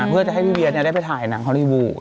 เพื่อจะให้พี่เวียได้ไปถ่ายหนังฮอลลี่วูด